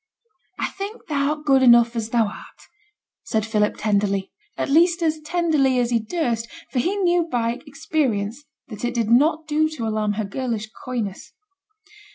'I think thou'rt good enough as thou art,' said Philip, tenderly at least as tenderly as he durst, for he knew by experience that it did not do to alarm her girlish coyness.